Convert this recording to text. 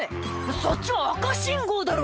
そっちは赤信号だろ」